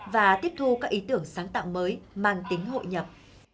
và tiếp thu các ý tưởng sáng tạo mới mang tính hội nhập